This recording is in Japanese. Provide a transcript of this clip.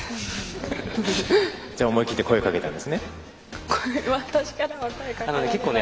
思い切って声をかけたんですね。